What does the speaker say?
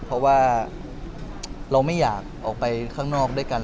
เพราะว่าเราไม่อยากออกไปข้างนอกด้วยกัน